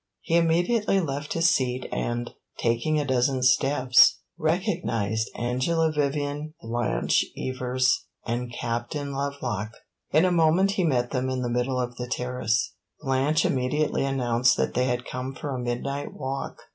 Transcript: He immediately left his seat and, taking a dozen steps, recognized Angela Vivian, Blanche Evers and Captain Lovelock. In a moment he met them in the middle of the terrace. Blanche immediately announced that they had come for a midnight walk.